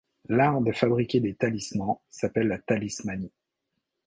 L'art de fabriquer des talismans s'appelle la talismanie.